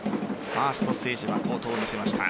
ファーストステージは好投を見せました。